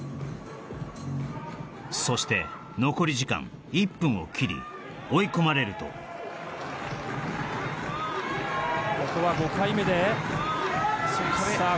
そして残り時間１分を切り追い込まれるとここは５回目でさあ